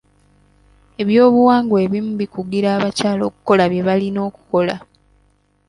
Eby'obuwangwa ebimu bikugira abakyala okukola bye balina okukola.